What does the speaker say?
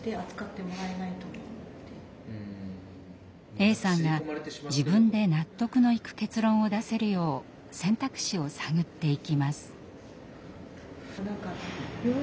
Ａさんが自分で納得のいく結論を出せるよう選択肢を探っていきます。